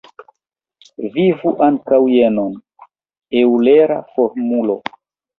Vidu ankaŭ jenon: Eŭlera formulo.